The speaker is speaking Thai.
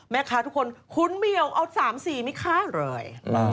แม่ค้าทุกคนคุณเหมียวเอา๓๔ไหมคะเลย